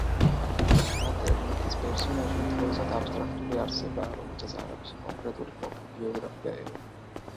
მეტერლინკის პერსონაჟი უმთავრესად აბსტრაქტული არსებაა, რომელსაც არ აქვს კონკრეტული ყოფა, ბიოგრაფია, ეროვნება.